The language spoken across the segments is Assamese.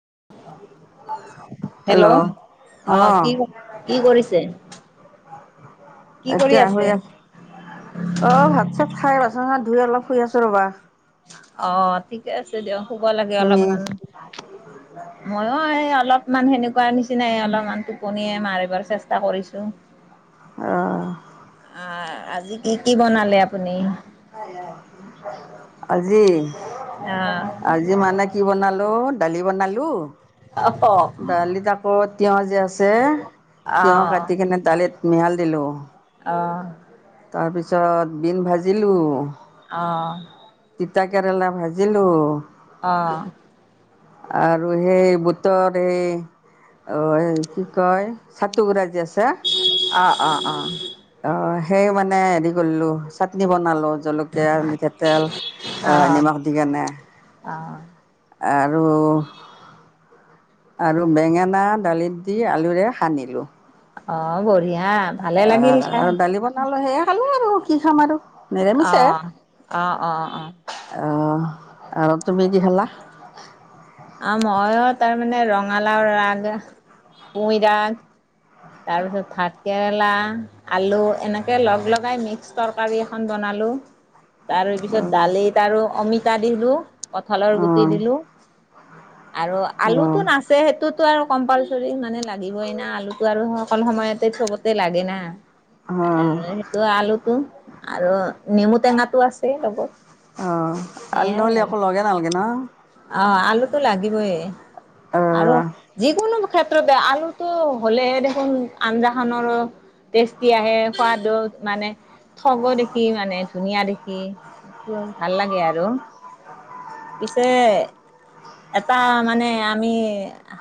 [unintelligible] হেল্ল' হেল্ল'অ অ কি কি কৰিছে কি কৰি এতিয়া হৈ আছে অ ভাত চাত খাই বাচন ধুই অলপ শুই আছো ৰবা অ ঠিকে আছে দিয়ক শুব লাগে তুমি অলপমান মই এই অলপ ইমান সেনেকোৱা নিচিনাই অলপমান টোপনিয়ে মাৰিবৰ চেষ্টা কৰিছো অ আহ আজি কি কি বনালে আপুনি আজি আহ আজি মানে কি বনালো দালি বনালো অহ দালিত আকৌ তিঁয়হ যে আছে তিয়হ আহ কাটি কিনে দালিত মিহল দিলো আহ তাৰপিছত বিন ভাজিলোঁ অ তিতা কেৰেলা ভাজিলো অ আৰু সেই বোটৰ এই অ কি কয় চাটোগুৰা যে আছে অ অ অ অ' সেই মানে হেৰি কৰিলোঁ চাটনি বনালো জলকীয়া মিঠাতেল আ নিমখ দি কেনে আ আৰু আৰু বেঙেনা দালিত দি আলুৰে সানিলো অ বঢ়িয়া ভালে আ লাগিল খাই। আৰু দালি বনালো সেয়াই খালো আৰু কি খাম আৰু অ নিৰামিষে অ অ অ আ আৰু তুমি কি খালা? আ ময়ো তাৰমানে ৰঙালাও ৰাগ পুই ৰাগ তাৰ পিছত ভাত কেৰেলা আলু এনেকে লগ লগাই মিক্স তৰকাৰী এখন বনালো লো তাৰ পিছত অ' দালিত আৰু অমিতা দিলো কঁঠালৰ গুটি অ' দিলো আৰু আলুটো অ' নাচে সেইটোতো আৰু কম্পালচৰি মানে লাগিবই না আলু আৰু সকলো সময়তে চবতে লাগে না অ' সেইটো আলুটো আৰু নেমু টেঙাটো আছে লগত অ আলু সেয়াই নহ'লে আৰু আকৌ লগে নালগে ন অ আলুটো লাগিবই আৰু অ' যিকোনো ক্ষেত্ৰতে আলুতটো হ'লে হে দেখোন আঞ্জাখনৰো টেষ্টি আহে সোৱাদো মানে ঠগো দেখি মানে ধুনীয়া দেখি সেটো ভাল লাগে আৰু পিছে এটা মানে আমি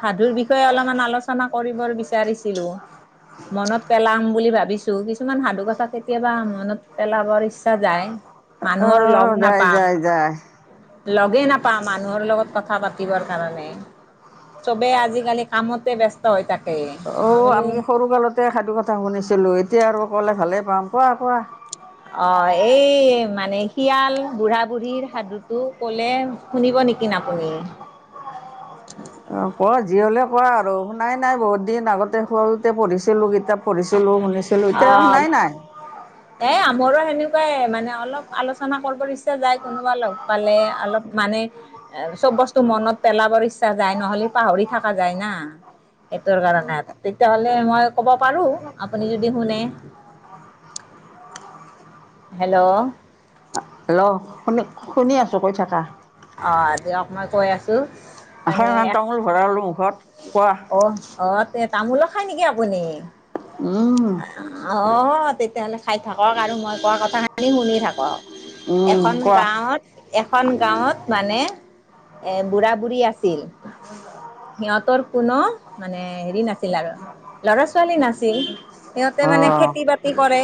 সাধুৰ বিষয়ে অলপমান আলোচনা কৰিবৰ বিচাৰিছিলো মনত পেলাম বুলি ভাবিছো কিছুমান সাধু কথা কেতিয়াবা মনত পেলাবৰ ইচ্ছা যায় মানুহৰ লগ অ' যায় নাপাওঁ যায় যায়। লগেই নাপাওঁ মানুহৰ লগত কথা পাতিবৰ কাৰণে চবেই আজিকালি কামতে ব্যস্ত হৈ থাকে অ মই বোলো আমি সৰু কালতে সাধু কথা শুনিছিলো এতিয়া আৰু ক'লে ভালে পাম কোৱা কোৱা। অ এই মানে শিয়াল বুঢ়া বুঢ়ীৰ সাধুতটো কলে শুনিব নেকি আপুনি? অ ক যি হ'লে ক আৰু শুনাই নাই বহুত দিন আগতে সৰুতে পঢ়িছিলো কি কিতাপ পঢ়িছিলো শুনিছিলো এতিয়া অ' শুনাই নাই এ আমাৰো হেনেকুৱাই মানে অলপ আলোচনা কৰিব ইচ্ছা যায় কোনোবা লগ পালে অলপ মান মানে চব বস্তু মনত পেলাবৰ ইচ্ছা যায় নহলে পাহৰি থকা যায় না সেইটোৰ কাৰণে তেতিয়াহলে মই ক'ব পাৰো আপুনি যদি শুনে হেল্ল' ল শুনি শুনি আছো কৈ থাকা অ' দিয়ক মই কৈ আছোঁ এখন মান তামোল ভৰালো মুখত কোৱা অ আহ তামোলো খাই নেকি আপুনি? উম অ' তেতিয়াহ'লে খাই থাকক আৰু মই কোৱা কথাখিনি শুনি থাকক উম এখন কোৱা গাঁৱত এখন গাঁৱত মানে এ বুঢ়া বুঢ়ী আছিল সিহঁতৰ কোনো মানে হেৰি নাছিল আৰু ল'ৰা ছোৱালী নাছিল সিহঁতে মানে অ' খেতি বাতি কৰে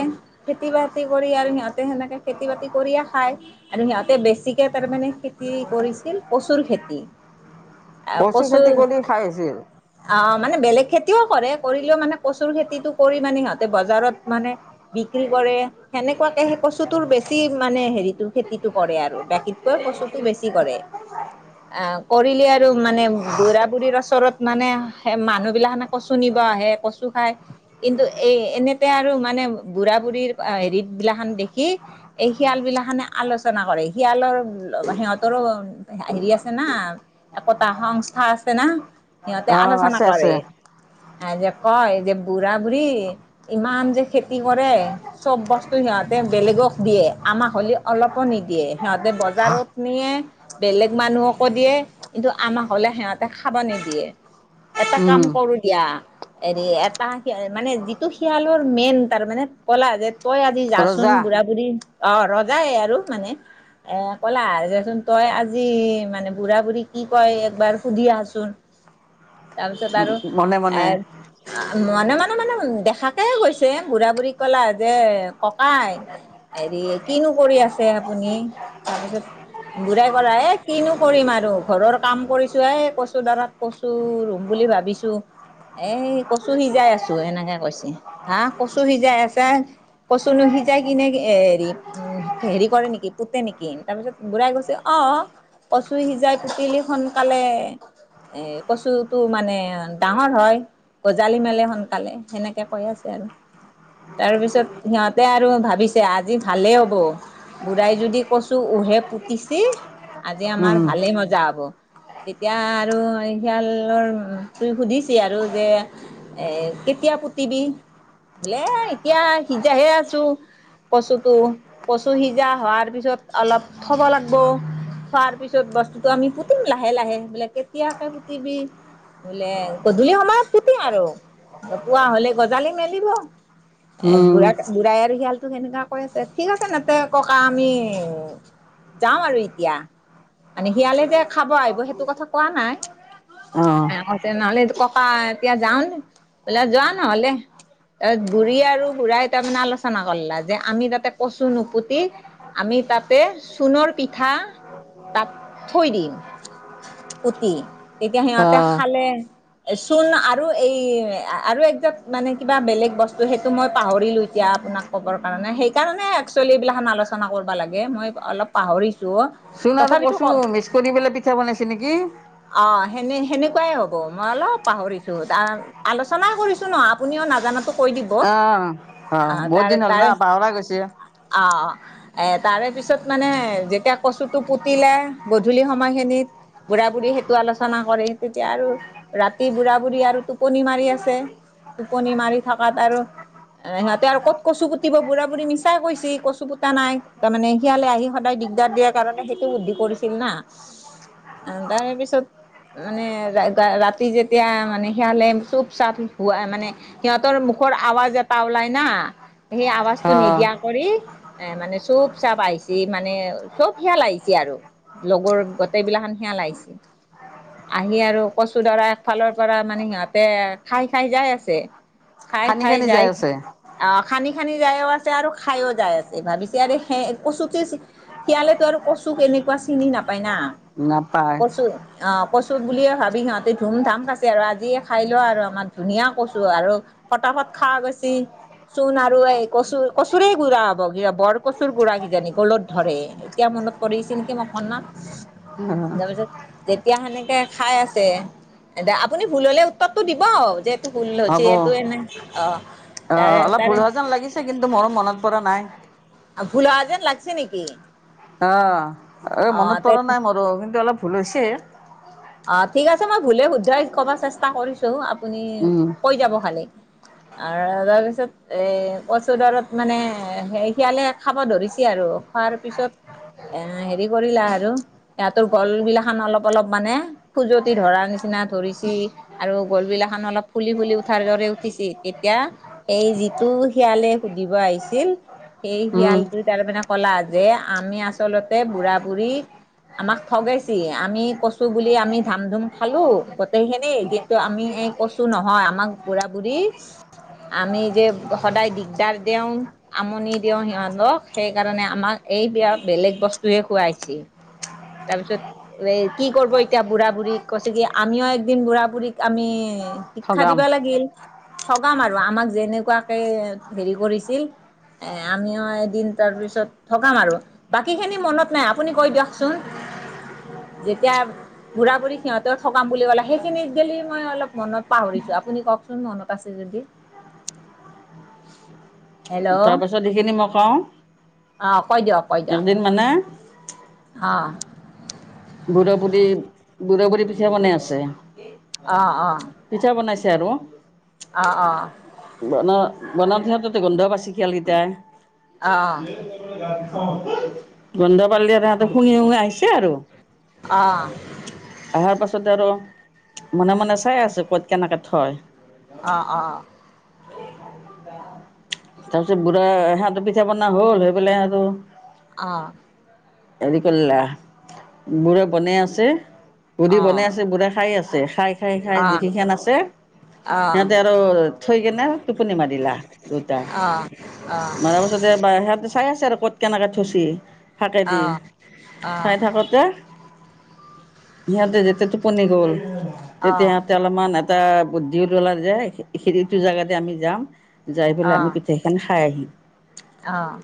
খেতি বাতি কৰি আৰু সিহঁতে হেনেকে খেতি বাতি কৰিয়ে খায় আৰু সিহতে বেছিকে তাৰমানে খেতি কৰি ছিল কচুৰ খেতি কচু খেতি কৰি খাই আছিল অ মানে বেলেগ খেতি খেতিও কৰে কৰিলেও মানে কচুৰ খেতিতটো কৰি মানে সিহঁতে বজাৰত মানে বিক্ৰী কৰে হেনে হেনেকুৱাকে সেই কচুটোৰ বেছি মানে হেৰিটো খেতিটো কৰে আৰু বাকীতকৈ কচুটো বেছি কৰে অ কৰিলি আৰু মানে বুঢ়া বুঢ়ী ৰ ওচৰত মানে মানুহ বিলাকখানে কচু নিব আহে কচু খায় কিন্তু এই এনেতে আৰু মানে বুঢ়া বুঢ়ীৰ হেৰিত বিলাখন দেখি এই শিয়াল বিলাখনে আলোচনা কৰে শিয়াল ‌য়ালৰ সিহঁতৰো হেৰি আছে না একতা সংস্থা আছে না সিহঁতে অ' আলোচনা আছে আছে কৰে যে কয় যে বুঢ়া- বুঢ়ী ইমান যে খেতি কৰে, চব বস্তু সিহঁত বেলেগক দিয়ে আমাক হ'লে অলপো নিদিয়ে, সিহঁতে বজাৰত নিয়ে বেলেগ মান নুহকো দিয়ে কিন্তু আমাক হলে সিহঁতে খাব নিদিয়ে। এটা উম কাম কৰো দিয়া। হেৰি এটা মানে যিটো শিয়ালৰ মেইন তাৰ মানে কলা যে তই আদি যাচোন ৰজা বুঢ়া -বুঢ়ী অ ৰজাই আৰু মানে এ কলা যেচোন তই আজি মানে বুঢ়া -বুঢ়ী কি কয় একবাৰ সুধি আহচোন। তাৰপিছত আৰু মনে এ মনে মনে মনে মনে দেখাকে গৈছে বুঢ়া- বুঢ়ী কলা যে ককাই হেৰি কিনো কৰি আছে আপুনি, তাৰপিছত বুঢ়াই কলে এ কিনো কৰিম আৰু ঘৰৰ কাম কৰিছো হে কচু দাৰত কচো ৰুম বুলি ভাবিছো। এ কচু সিজাই আছো এনেকে কৈছে, হা কচু সিজাই আছে। কচুনো সিজাই কিনে হেৰি উম হেৰি কৰে নেকি পোতে নেকি তাৰ পিছত বুঢ়াই কৈছে অ অ, কচু সিজাই পুতিলি সোনকালে এ, কচুটো মানে ডাঙৰ হয়। গজালি মেলে সোনকালে সেনেকে কৈ আছে আৰু। তাৰপিছত সিহঁতে আৰু ভাবিছে আজি ভালেই হ'ব। বুঢ়াই যদি কৈছো উহে পুতিছে আজি আমাৰ উম ভালেই মজা হব, তেতিয়া আৰু শিয়ালৰ তুই সুধিছি আৰু যে এ কেতিয়া পুতিবি? বোলে এতিয়া সিজাইহে আছো। কচুটো, কচু সিজা হোৱাৰ পিছত অলপ থব লাগিব। খোৱাৰ পিছত বস্তুটো আমি পুতিম লাহে-লাহে। বোলে, কেতিয়াকে পুতিবি? বোলে গধূলি সময়ত পুতিম আৰু নোপোৱা হলে গজালি মেলিব। এ উম। বুঢ়া বুঢ়াই আৰু শিয়ালটো সেনেকা কৈ আছে, ঠিক আছে ন তে ককা আমি যাওঁ আৰু এতিয়া। মানে, শিয়ালে যে খাব আহিব সেইটো কথা কোৱা নাই। অ' কৈছে নহ'লে ককা এতিয়া যাও বলো যোৱা নহ'লে। তাৰ বুঢ়ী আৰু বুঢ়াই তাৰমানে আলোচনা কৰিলা যে আমি তাতে কচো নুপুতি আমি তাতে চূণৰ পিঠা তাত থৈ দিম। পুতি, তেতিয়া সিহঁতে অ' খালে চোন আৰু এই আৰু একজাত মানে কিবা বেলেগ বস্তু সেইটো মই পাহৰিলো এতিয়া। আপোনাক ক'বৰ কাৰণে সেইকাৰণে একচুৱেলি এইবিলাকখন আলোচনা কৰিব লাগে। মই অলপ পাহৰিলো। চোন আৰু কচু মিক্স কৰি পেলাই পিঠা বনাইছে নেকি? অ, সেনে সেনেকুৱাই হ'ব। মই অলপ পাহৰিছোঁ ত আলোচনা কৰিছোঁ ন আপুনিও নাজানো কৈ দিব। আহ অ আহ, বহুত তাৰে দিন হ'ল তাৰে না পাহৰা গৈছে অ এ, তাৰে পিছত মানে যেতিয়া কচুটো পুতিলে গধূলি সময়খিনিত বুঢ়া-বুঢ়ী সেইটো আলোচনা কৰে তেতিয়া আৰু ৰাতি বুঢ়া-বুঢ়ী আৰু টোপনি মাৰি আছে। টোপনি মাৰি থাকাত আৰু সিহঁতে আৰু কত কচু পুতিব বুঢ়া-বুঢ়ী মিছাই কৈচি কচু পুতা নাই তাৰমানে সিয়ালে আহি সদায় দিগদাৰ দিয়াৰ কাৰণে সেইটো বুদ্ধি কৰিছিল না তাৰে পিছত মানে ৰা ৰাতি যেতিয়া মানে শিয়ালে চুপ-চাপ হুৱাই মানে সিহঁতৰ মুখ কৰ আৱাজ এটা ওলায় না সেই আৱাজটো নিদিয়া কৰি এ মানে চুপ-চাপ আহিছে মানে চব শিয়াল আহিছে। আৰু লগৰ গোটেই বিলাখান শিয়াল আহিছে। আহি আৰু কচু দৰা এফালৰ পৰা মানে সিহঁতে খাই খাই যায় আছে। খাই সানি খাই সানি যাই যায় আছে অ খানি-খানি যায়ও আছে আৰু খাইও যাই আছে ভাবিছে আৰু সে কচুটো শিয়ালেতো আৰু কচু কেনেকুৱা চিনি নাপায় না। নাপায় কচু অ কচু বুলিয়ে ভাবি সিহঁতে ধুম-ধাম খাছে আৰু আজিয়ে খাই ল আৰু আমাৰ ধুনীয়া কচু আৰু প তক ত খা গৈছ। চোন আৰু এই কচু, কচুৰেই গুড়া হব বৰ কচুৰ গুড়া কিজানি গ'লত ধৰে এতিয়া মনত পৰিছে নেকি অকণমান। তাৰপিছত তেতিয়া সেনেকে খাই আছে। আপুনি ভুল হলে উত্তৰটো দিব যে এইটো ভুল হৈছে হ'ব এইটো এনে অ। অ, তাৰে অলপ তাৰে ভুল হোৱা যেন লাগিছে কিন্তু, মোৰো মনত পৰা নাই। ভুল হোৱা যেন লাগছে নেকি? অ, এই অ মনত পৰা তে নাই মোৰো কিন্তু অলপ ভুল হৈছে। অ, ঠিক আছে মই ভুলে শুধই কব চেষ্টা কৰিছো, আপুনি উম কৈ যাব খালি। আৰু তাৰপিছত এই কচু দাৰত মানে স শিয়ালে খাব ধৰিছে আৰু খোৱাৰ পিছত এ হেৰি কৰিলা আৰু সিহঁতৰ গল বিলা খান অলপ-অলপ মানে। খুজতি ধৰাৰ নিচিনা ধৰিছে আৰু গল বিলা খনো অলপ ফুলি-ফুলি উঠাৰ দৰে উঠিছে। এতিয়া এই যিটো শিয়ালে সুধিব আহিছিল সেই উম শিয়ালটো তাৰমানে কলা যে আমি আচলতে বুঢ়া বুঢ়ী আমাক ঠগাইছে, আমি কচু বুলি আমি ধাম ধুম খালোঁ গোটেইখিনি কিন্তু আমি এই কচু নহয় আমাক বুঢ়া বুঢ়ী [unintelligible] আমি যে সদায় দিগদাৰ দিওঁ আমনি দিওঁ সিহঁতক সেইকাৰণে আমাক এই বিয়াক বেলেগ বস্তুহে খুৱাইছে তাৰ পিছত এ কি কৰব এতিয়া বুঢ়া বুঢ়ীক কৈছে কি আমিও একদিন বুঢ়া বুঢ়ীক আমি শিক্ষা ঠগাম দিবা লাগিল, ঠগাম আৰু আমাক যেনেকোৱাকে হেৰি কৰিছিল এ আমিও এদিন তাৰ পিছত থগাম আৰু বাকী খিনি মনত নাই আপুনি কৈ দিয়ক চোন যেতিয়া বুঢ়া বুঢ়ী সিহঁতেও থগাম বুলি ক'লে সেইখিনিত গ'লে মই অলপ মনত পাহৰিছোঁ আপুনি কওক চোন মনত আছে যদি হেল্ল' তাৰপাছত সেইখিনি মই কওঁ অ কৈ দিয়ক কৈ দিয়ক হে অ বুঢ়া বুঢ়ী বুঢ়া বুঢ়ী পিঠা বনাই আছে অ অ পিঠা বনাইছে আৰু অ অ বনাওতে পিঠ ততে গন্ধ পাইছে শিয়ালকেইটাই অ অ গন্ধ পাললি আৰ ততৰ শুঙি শুঙি আহিছে আৰু অ অহাৰ পাছত আৰু মনে মনে চাই আছো ক'ত কেনেকে থয় অ অ অ তাৰ পিছত বুঢ়া সিহঁতৰ পিঠা বনা হ'ল সেই পেলাই আৰু অ হেৰি কৰিলা বুঢ়াই বনাই আছে বুঢ়ী বনাই আছে বুঢ়া খাই আছে খাই খাই খাই যিকেইখান আছে অ সিহঁতে আৰু থৈ কেনে টোপনি মাৰিলা দুটা মৰা পিছতে বা সিহঁতে চাই আছে আৰু ক'ত কেনেকে থৈচি তাকেদি চাই থাকোঁতে সিহঁতে যেতিয়া টোপনি গ'ল তেতিয়া সিহঁতে অলপমান এটা বুদ্ধি উললা য সেইটো জেগাতে আমি যাম যাই পেলাই অ আমি পিঠিখন খাই আহিম অ অ